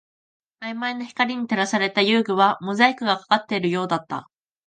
曖昧な光に照らされた遊具はモザイクがかかっているようだった